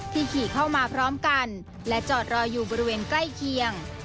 ขี่เข้ามาพร้อมกันและจอดรออยู่บริเวณใกล้เคียง